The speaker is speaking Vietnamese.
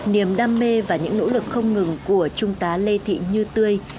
niềm đam mê và những nỗ lực không ngừng của trung tá lê thị như tươi